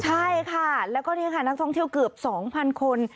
ใช่ค่ะแล้วก็นี่ค่ะนักท่องเที่ยวเกือบ๒๐๐คน